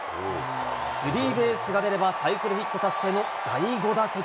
スリーベースが出れば、サイクルヒット達成の第５打席。